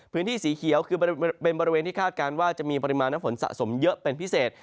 พื้นที่สีเขียวคือเป็นบริเวณที่คาดการณ์ว่าจะมีปริมาณน้ำฝนสะสมเยอะเป็นพิเศษ